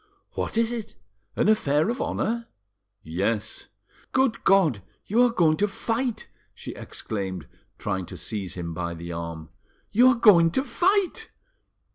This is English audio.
"What is it? An affair of honour? "Yes." "Good God! You are going to fight!" she exclaimed, trying to seize him by the arm. "You are going to fight!"